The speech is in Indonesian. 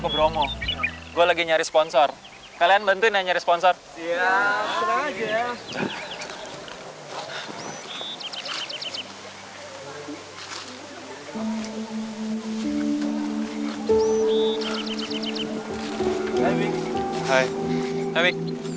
kamu sejak kapan disini